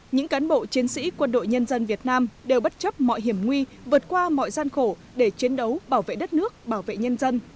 những cán bộ chiến sĩ quân đội nhân dân việt nam đều bất chấp mọi hiểm nguy vượt qua mọi gian khổ để chiến đấu bảo vệ đất nước bảo vệ nhân dân